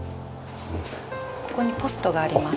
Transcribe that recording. ここにポストがあります。